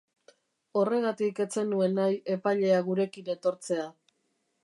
Horregatik ez zenuen nahi epailea gurekin etortzea.